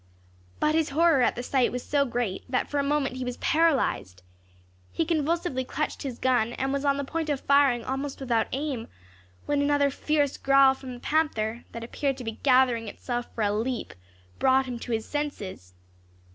But his horror at the sight was so great that for a moment he was paralysed. He convulsively clutched his gun, and was on the point of firing almost without aim, when another fierce growl from the panther, that appeared to be gathering itself for a leap, brought him to his senses.